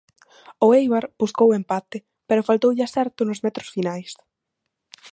O Éibar buscou o empate, pero faltoulle acerto nos metros finais.